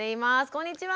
こんにちは。